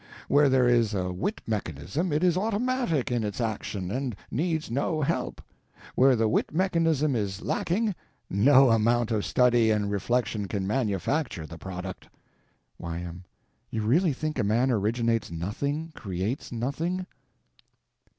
Where there is a wit mechanism it is automatic in its action and needs no help. Where the wit mechanism is lacking, no amount of study and reflection can manufacture the product. Y.M. You really think a man originates nothing, creates nothing.